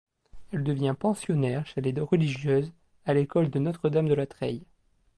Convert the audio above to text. Elle devient pensionnaire chez les religieuses, à l'école de Notre-Dame-de-la-Treille.